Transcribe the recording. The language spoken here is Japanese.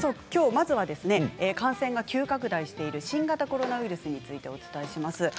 きょうまずは感染が急拡大している新型コロナウイルスについてお伝えします。